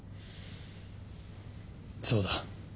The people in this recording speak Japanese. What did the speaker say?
そうだ。